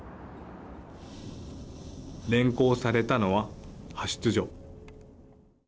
連行されたのは派出所。